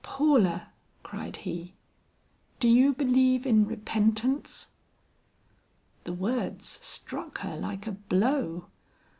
"Paula," cried he, "do you believe in repentance?" The words struck her like a blow.